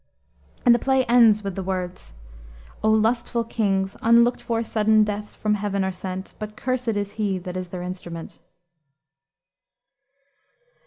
And the play ends with the words "On lustful kings, Unlooked for sudden deaths from heaven are sent, But cursed is he that is their instrument."